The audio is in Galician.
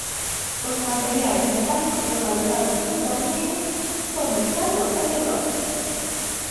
Os materiais metálicos localizados en Borneiro son de ferro e de bronce.